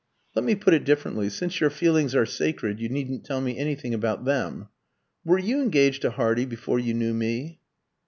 "Let me put it differently since your feelings are sacred, you needn't tell me anything about them. Were you engaged to Hardy before you knew me?"